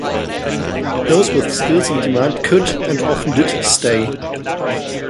Those with skills in demand could - and often did - stay.